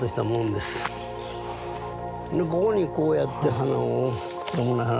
でここにこうやって花を。